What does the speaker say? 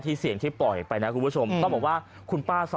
ก๋วยเตี๋ยวหนูทำไม่ถึงวันอ่ะ